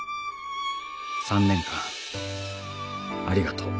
「３年間ありがとう」